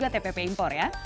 tpp import ya